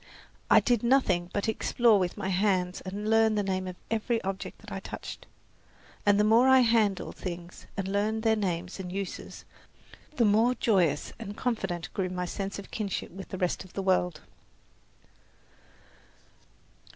I did nothing but explore with my hands and learn the name of every object that I touched; and the more I handled things and learned their names and uses, the more joyous and confident grew my sense of kinship with the rest of the world.